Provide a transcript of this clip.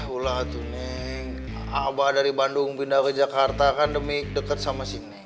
ulat abah dari bandung pindah ke jakarta kan demi deket sama sini